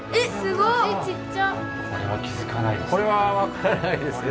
これは気付かないですね。